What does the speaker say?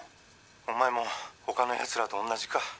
お前も他のやつらと同じか